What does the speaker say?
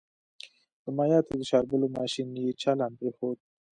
د مايعاتو د شاربلو ماشين يې چالان پرېښود.